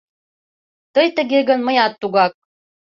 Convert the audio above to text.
— Тый тыге гын, мыят тугак!